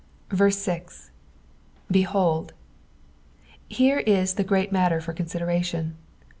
6. "Behold." Here is the great matter for consideration.